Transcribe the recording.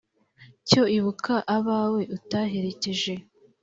Cyo ibuka abawe utaherekeje